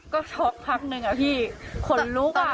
ก็ช็อกพักนึงอะพี่ขนลุกอ่ะ